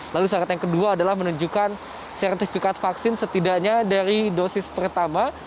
lalu syarat yang kedua adalah menunjukkan sertifikat vaksin setidaknya dari dosis pertama